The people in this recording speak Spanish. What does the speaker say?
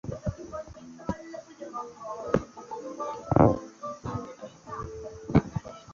Esto la llevó a conflictos con su familia y pronto se independizó.